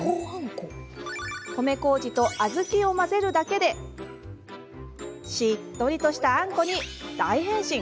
米こうじと小豆を混ぜるだけでしっとりしたあんこに大変身。